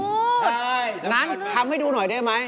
อย่างนั้นทำให้ดูหน่อยได้ไหม